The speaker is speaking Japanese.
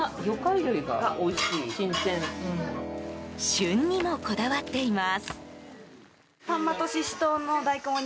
旬にも、こだわっています。